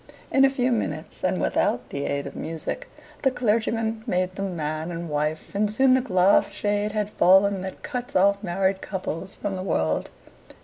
In a few minutes, and without the aid of music, the clergyman made them man and wife, and soon the glass shade had fallen that cuts off married couples from the world.